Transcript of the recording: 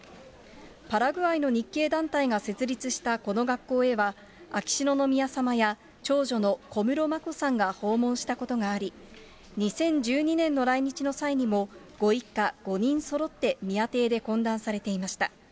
パラグアイの日系団体が設立したこの学校へは、秋篠宮さまや、長女の小室眞子さんが訪問したことがあり、２０１２年の来日の際にも、ご一家５人そろって宮邸で懇談されていました。